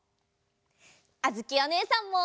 あづきおねえさんも！